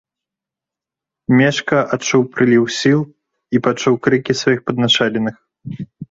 Мешка адчуў прыліў сіл і пачуў крыкі сваіх падначаленых.